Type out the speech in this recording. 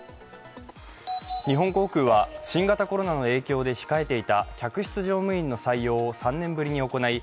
日本航空は新型コロナの影響で控えていた客室乗務員の採用を３年ぶりに行い